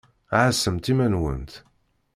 Ɛassemt iman-nwent!